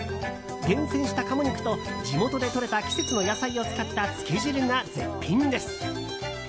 厳選した鴨肉と地元でとれた季節の野菜を使ったつけ汁が絶品です。